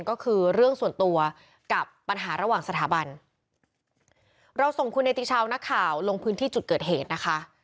ก็คือเรื่องส่วนตัวกับปัญหาระหว่างสถาบันเราส่งคุณเนติชาวนักข่าวลงพื้นที่จุดเกิดเหตุนะคะ